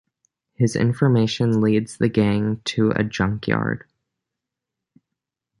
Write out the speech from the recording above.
His information leads the gang to a junkyard.